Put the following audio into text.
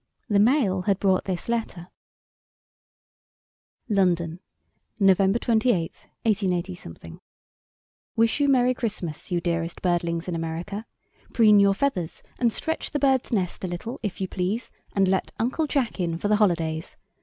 The mail had brought this letter: "LONDON, Nov. 28th, 188 . Wish you merry Christmas, you dearest birdlings in America! Preen your feathers, and stretch the Birds' nest a little, if you please, and let Uncle Jack in for the holidays.